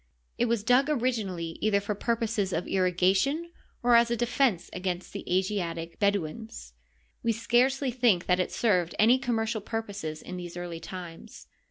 It was dug originally either for purposes of irrigation or as a defense against the Asiatic Bedouins. We scarcely think that it served any commercial purposes in these early times.